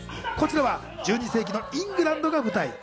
こちらは１２世紀のイングランドが舞台。